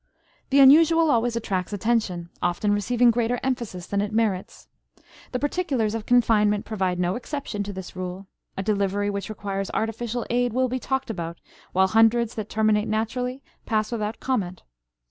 The unusual always attracts attention, often receiving greater emphasis than it merits. The particulars of confinement provide no exception to this rule; a delivery which requires artificial aid will be talked about, while hundreds that terminate naturally pass without comment.